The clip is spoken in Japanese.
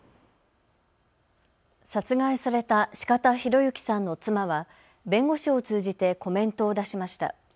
殺害された四方洋行さんの妻は弁護士を通じてコメントを出しました。